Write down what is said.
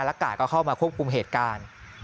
และกาดก็เข้ามาควบคุมเหตุการณ์